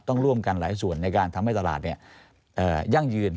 ต้องร่วมกันหลายส่วนในการทำให้ตลาดยั่งยืน